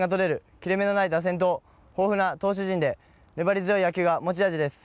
切れ目のない打線と豊富な投手陣で粘り強い野球が持ち味です。